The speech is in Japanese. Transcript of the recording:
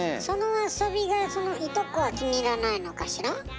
その遊びがそのいとこは気に入らないのかしら？